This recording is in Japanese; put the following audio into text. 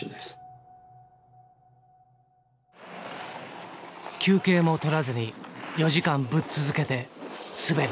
休憩も取らずに４時間ぶっ続けで滑る。